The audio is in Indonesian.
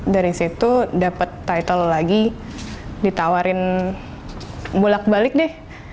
dari situ dapet title lagi ditawarin bolak balik deh